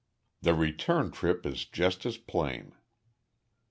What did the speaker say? The return trip is just as plain."